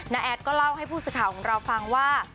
น้าแอดก็เล่าให้ผู้สาขาของเราฟังว่า